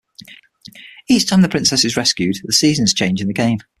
Each time the princess is rescued, the seasons change in the game.